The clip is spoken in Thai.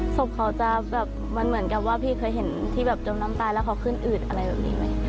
ศพเขาจะแบบมันเหมือนกับว่าพี่เคยเห็นที่แบบจมน้ำตายแล้วเขาขึ้นอืดอะไรแบบนี้ไหม